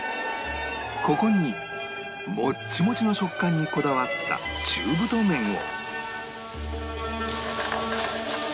ここにもっちもちの食感にこだわった中太麺を